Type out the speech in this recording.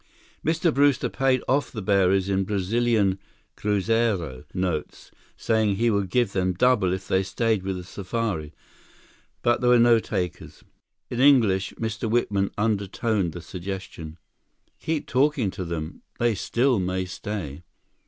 Mr. Brewster paid off the bearers in Brazilian cruzeiro notes, saying he would give them double if they stayed with the safari, but there were no takers. In English, Mr. Whitman undertoned the suggestion: "Keep talking to them. They still may stay."